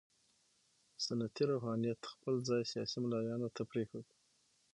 سنتي روحانیت خپل ځای سیاسي ملایانو ته پرېښود.